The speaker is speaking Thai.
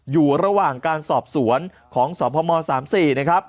อยู่ระหว่างการสอบสวนของสพม๓๔นะครับ